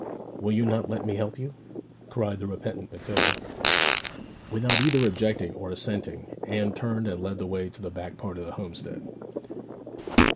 'Will you not let me help you?' cried the repentant Matilda. Without either objecting or assenting Anne turned and led the way to the back part of the homestead.